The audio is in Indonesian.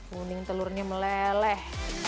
mending telurnya meleleh